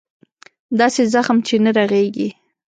داسې زخم چې نه رغېږي.